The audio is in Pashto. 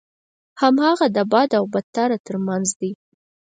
هماغه د بد او بدتر ترمنځ دی.